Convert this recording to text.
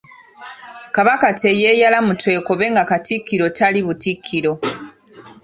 Kabaka teyeyala mu twekobe nga Katikkiro tali butikkiro.